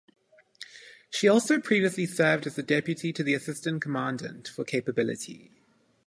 She also previously served as the Deputy to the Assistant Commandant for Capability.